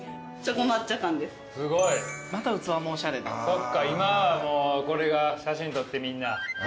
そっか今はもうこれ写真撮ってみんな。